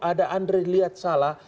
ada andri lihat salah